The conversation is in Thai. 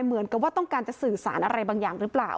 เหมือนกับว่าต้องการจะสื่อสารอะไรบางอย่างหรือเปล่า